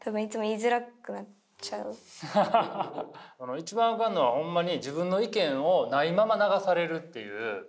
一番あかんのはほんまに自分の意見をないまま流されるという。